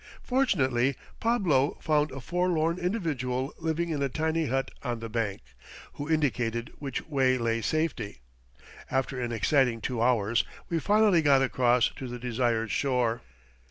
Fortunately Pablo found a forlorn individual living in a tiny hut on the bank, who indicated which way lay safety. After an exciting two hours we finally got across to the desired shore.